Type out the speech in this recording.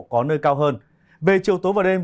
có nơi cao hơn về chiều tối và đêm